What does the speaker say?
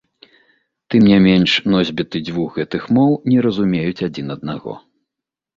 Тым не менш носьбіты дзвюх гэтых моў не разумеюць адзін аднаго.